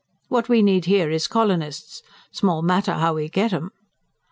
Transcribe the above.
What we need here is colonists small matter how we get 'em."